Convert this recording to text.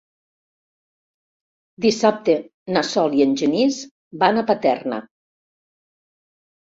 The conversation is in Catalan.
Dissabte na Sol i en Genís van a Paterna.